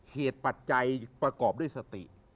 ปัจจัยประกอบด้วยสติ